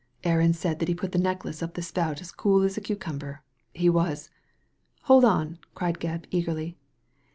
"Aaron said that he put the necklace up the spout as cool as a cucumber. He " Hold on I '' cried Gebb, eagerly.